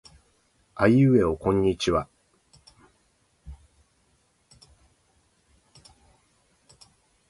あいうえおこんにちは。